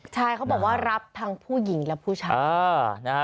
ใช่เขาบอกว่ารับทั้งผู้หญิงและผู้ชาย